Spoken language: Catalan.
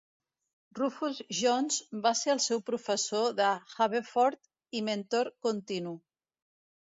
Rufus Jones va ser el seu professor de Haverford i mentor continu.